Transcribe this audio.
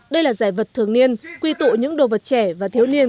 đây là giải vật thường niên quy tụ những đồ vật trẻ và thiếu niên